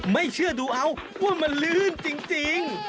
ไม่เชื่อดูเอาว่ามันลื่นจริง